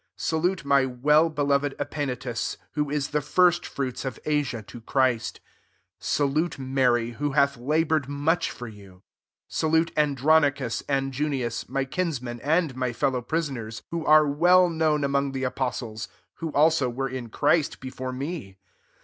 Salute jy well beloved Epaenetus, who the first' fruits of Asia to irist. 6 Salute Mary, who laboured much for you. 7 ite Andronicus and Junias, jy kinsmen and my fellow prisoners, who are well known unong the apostles, who also rere in Christ before me.